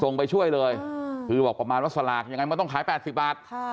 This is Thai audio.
ไปช่วยเลยคือบอกประมาณว่าสลากยังไงมันต้องขาย๘๐บาท